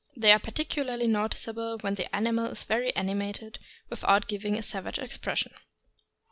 They are particularly noticeable when the animal is very animated, without giving a savage expression.